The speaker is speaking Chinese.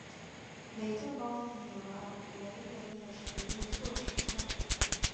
雷振邦的女儿雷蕾也是一位作曲家。